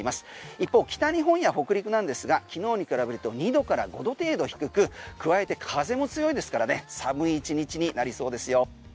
一方北日本や北陸なんですが昨日に比べると２度から５度程度低く加えて風も強いですからね寒い１日になりそうですよ。